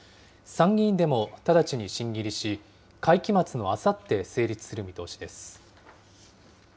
参議院でも直ちに審議入りし、会期末のあさって成立する見通しです。